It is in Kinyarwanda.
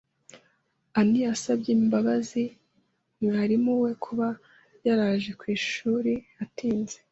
Ann yasabye imbabazi mwarimu we kuba yaraje ku ishuri atinze.